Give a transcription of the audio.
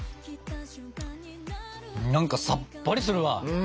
何かさっぱりするわ！